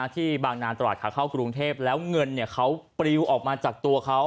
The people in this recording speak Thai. ที่บางนาตราดค่ะเข้ากรุงเทพฯแล้วเงินเนี่ยเค้าปลิวออกมาจากตัวเค้า